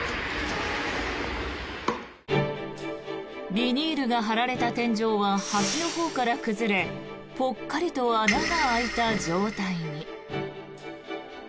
ビニールが張られた天井は端のほうから崩れぽっかりと穴が開いた状態に。